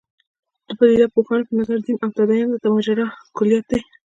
د پدیده پوهانو په نظر دین او تدین د ماجرا کُلیت دی.